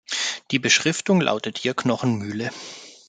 Die Beschriftung lautet hier "Knochenmühle".